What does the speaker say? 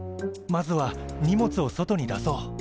まずは荷物を外に出そう。